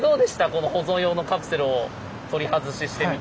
この保存用のカプセルを取り外ししてみて。